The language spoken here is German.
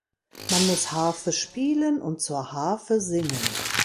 Man muss Harfe spielen und zur Harfe singen.